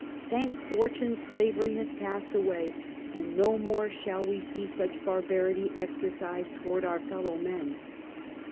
Thank fortune, slavery has passed away, and no more shall we see such barbarity exercised toward our fellow men.